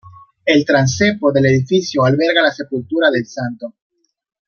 El transepto del edificio alberga la sepultura del santo.